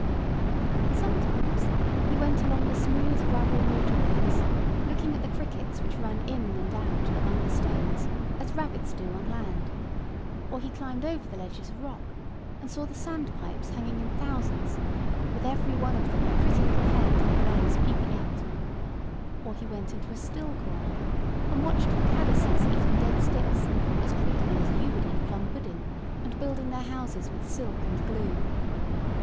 Sometimes he went along the smooth gravel water ways, looking at the crickets which ran in and out among the stones, as rabbits do on land; or he climbed over the ledges of rock, and saw the sand pipes hanging in thousands, with every one of them a pretty little head and legs peeping out; or he went into a still corner, and watched the caddises eating dead sticks as greedily as you would eat plum pudding, and building their houses with silk and glue.